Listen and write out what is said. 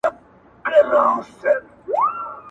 هم دا سپی بولم جدا له نورو سپیانو,